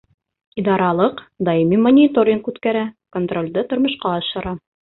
— Идаралыҡ даими мониторинг үткәрә, контролде тормошҡа ашыра.